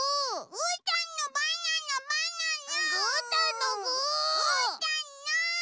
うーたんの！